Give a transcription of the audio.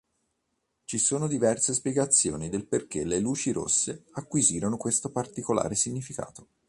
Ci sono diverse spiegazioni del perché le luci rosse acquisirono questo particolare significato.